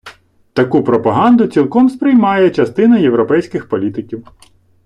Таку пропаганду цілком сприймає частина європейських політиків.